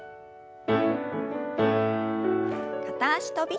片脚跳び。